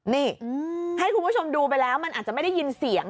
นี่ให้คุณผู้ชมดูไปแล้วมันอาจจะไม่ได้ยินเสียง